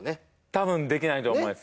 たぶんできないと思います